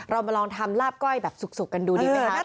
เรามาลองทำลาบก้อยแบบสุกกันดูดีไหมคะ